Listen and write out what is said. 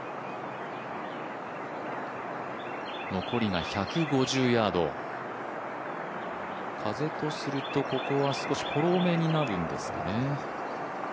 残りが１５０ヤード、風とするとここは少しフォローめになるんですかね。